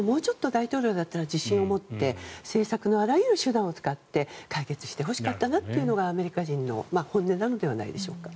大統領だったら自信を持って政策のあらゆる手段を使って解決してほしかったなというのがアメリカ人の本音なのではないでしょうか。